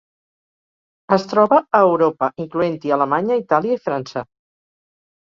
Es troba a Europa, incloent-hi Alemanya, Itàlia i França.